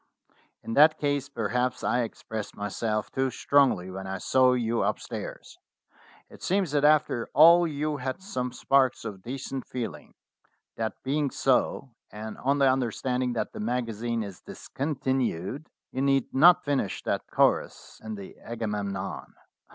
"In that case perhaps I expressed myself too strongly when I saw you upstairs. It seems that after all you had some sparks of decent feeling. That be ing so, and on the understanding that the magazine is discontinued, you need not finish that chorus in the 'Agamemnon.'